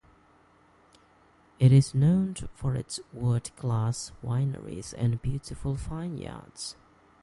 It is known for its world-class wineries and beautiful vineyards.